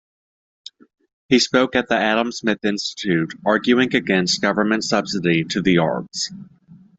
He spoke at the Adam Smith Institute, arguing against government subsidy to the arts.